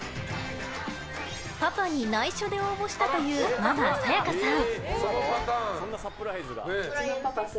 パパに内緒で応募したというママ、彩華さん。